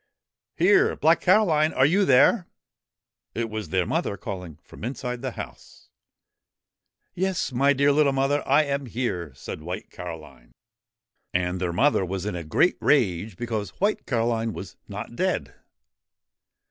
' Here ! Black Caroline ! Are you there ?' It was their mother calling from the inside of the house. ' Yes, my dear little mother, I am here !' said White Caroline, c 17 WHITE CAROLINE AND BLACK CAROLINE And their mother was in a great rage because White Caroline was not dead.